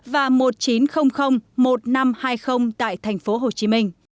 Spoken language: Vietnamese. và một chín không không một năm hai không tại tp hcm